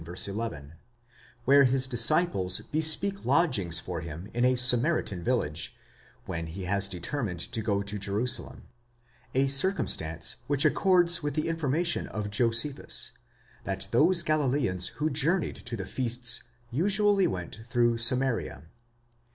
11), where his disciples bespeak lodgings for him in a Samaritan village, when he has determined to go to Jerusalem; a circum stance which accords with the information of Josephus, that those Galileans who journeyed to the feasts usually went through Samaria.